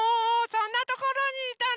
そんなところにいたの？